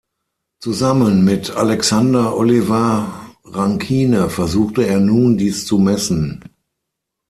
Zusammen mit Alexander Oliver Rankine versuchte er nun, dies zu messen.